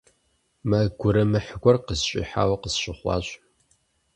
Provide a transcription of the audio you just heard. Мэ гурымыхь гуэр къысщӀихьауэ къысщыхъуащ.